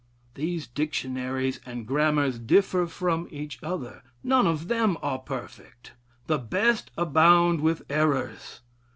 These dictionaries and grammars differ from each other. None of them are perfect. The best abound with errors.